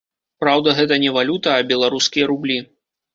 Праўда, гэта не валюта, а беларускія рублі.